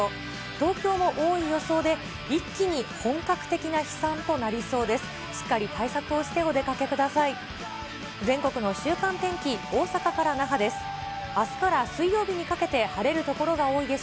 東京も多い予想で、一気に本格的な飛散となりそうです。